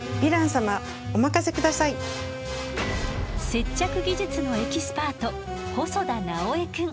接着技術のエキスパート細田奈麻絵くん。